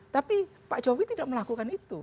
tapi pak jokowi tidak melakukan itu